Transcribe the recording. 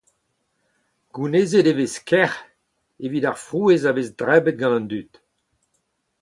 Gounezet e vez kerc'h evit ar frouezh a vez debret gant an dud.